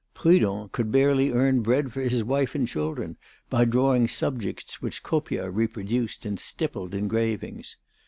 Prud'hon could barely earn bread for his wife and children by drawing subjects which Copia reproduced in stippled engravings.